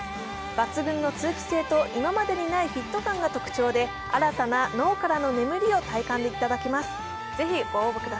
抜群の通気性と今までにないフィット感が特徴で、新たな脳からの眠りを体感いただけます。